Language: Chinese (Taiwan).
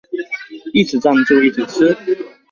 一直贊助一直吃